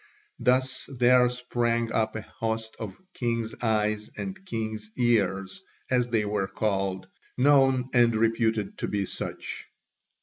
Thus there sprang up a host of "king's eyes" and "king's ears," as they were called, known and reputed to be such.